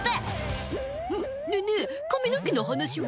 ねぇねぇ髪の毛の話は？